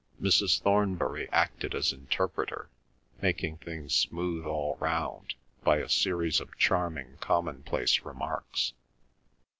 Mrs. Thornbury acted as interpreter, making things smooth all round by a series of charming commonplace remarks.